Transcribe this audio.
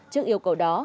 trước yêu cầu đó